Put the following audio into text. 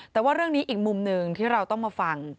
แต่ว่าเรื่องนี้อีกมุมหนึ่งที่เราต้องมาฟัง